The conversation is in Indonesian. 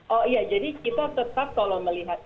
oh iya jadi kita tetap kalau melihat